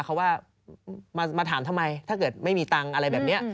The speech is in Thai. เขาว่ามาถามทำไมถ้าเกิดไม่มีตังค์อะไรแบบนี้